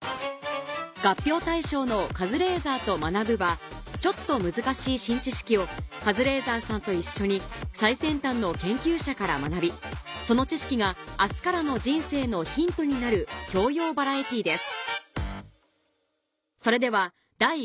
合評対象の『カズレーザーと学ぶ。』はちょっと難しい新知識をカズレーザーさんと一緒に最先端の研究者から学びその知識が明日からの人生のヒントになる教養バラエティーです